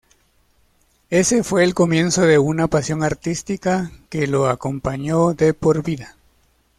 Ese fue el comienzo de una pasión artística que lo acompañó de por vida.